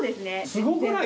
すごくない？